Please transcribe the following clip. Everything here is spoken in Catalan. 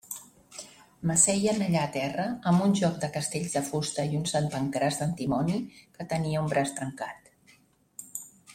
M'asseien allà a terra, amb un joc de castells de fusta i un Sant Pancràs d'antimoni que tenia un braç trencat.